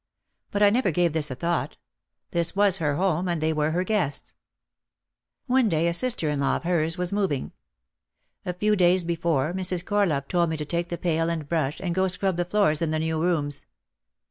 But I never gave this a thought. This was her home and they were her guests. OUT OF THE SHADOW 179 One day a sister in law of hers was moving. A few days before Mrs. Corlove told me to take the pail and brush and go scrub the floors in the new rooms.